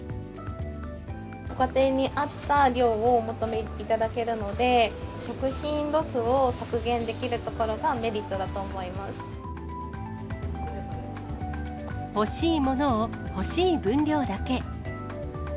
ご家庭に合った量をお求めいただけるので、食品ロスを削減できるところがメリットだと思いま欲しいものを欲しい分量だけ。